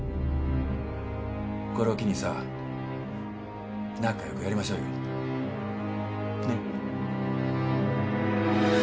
これを機にさ仲良くやりましょうよねっ。